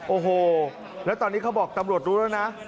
โอ้โหแล้วตอนนี้เขาบอกตำรวจรู้แล้วนะ